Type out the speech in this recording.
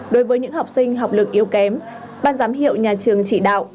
đối với những học sinh học lực yếu kém ban giám hiệu nhà trường chỉ đạo